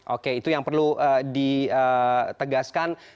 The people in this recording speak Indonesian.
oke itu yang perlu ditegaskan